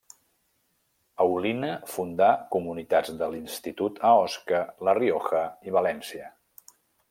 Aulina fundà comunitats de l'institut a Osca, la Rioja i València.